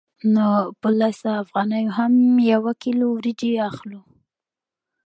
نو په لسو افغانیو هم یوه کیلو وریجې اخلو